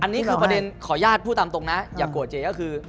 อันนี้คือประเด็นขออนุญาตพูดตามตรงนะอย่าโกรธเจ๊ก็คือ